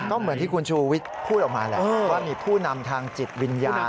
ก็เหมือนที่คุณชูวิทย์พูดออกมาแหละว่ามีผู้นำทางจิตวิญญาณ